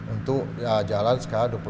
untuk jalan sekarang dua puluh empat jam tujuh hari